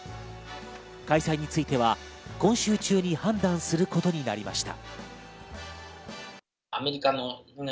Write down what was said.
開催については今週中に判断することになりました。